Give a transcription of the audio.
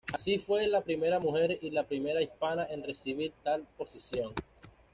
Así fue la primera mujer y la primera hispana en recibir tal posición.